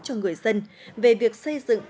cho người dân về việc xây dựng